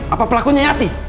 apa pelakunya yati